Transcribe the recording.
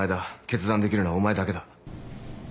決断できるのはお前だけだ。